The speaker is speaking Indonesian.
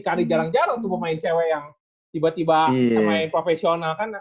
kandi jarang jarang tuh mau main cewek yang tiba tiba bisa main profesional kan